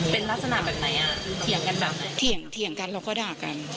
เป็นลักษณะแบบไหนอ่ะเดี๋ยวกับผู้สังเพลิน